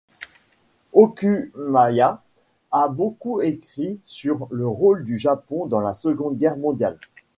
Okumiya a beaucoup écrit sur le rôle du Japon dans la Seconde Guerre mondiale.